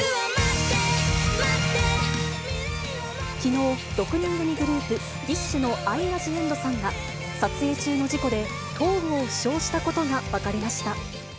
きのう、６人組グループ、ＢｉＳＨのアイナ・ジ・エンドさんが撮影中の事故で、頭部を負傷したことが分かりました。